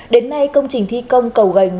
đến nay công trình thi công cầu gành